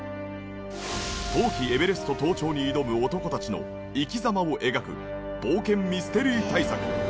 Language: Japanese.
冬季エベレスト登頂に挑む男たちの生き様を描く冒険ミステリー大作。